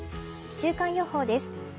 週間予報です。